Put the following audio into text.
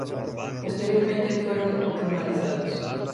Posteriormente fueron romanizados.